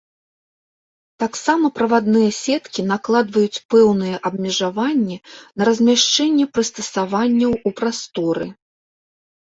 Таксама правадныя сеткі накладваюць пэўныя абмежаванні на размяшчэнне прыстасаванняў у прасторы.